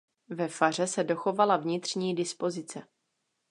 Ve faře se dochovala vnitřní dispozice.